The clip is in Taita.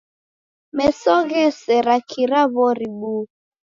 Meso ghesera kira w'ori buu.